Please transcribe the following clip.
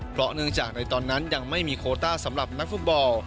เพราะเนื่องจากในตอนนั้นยังไม่มีโคต้าสำหรับนักฟุตบอล